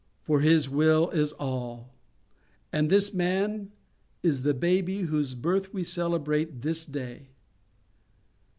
For His will is all. And this man is the baby whose birth we celebrate this day.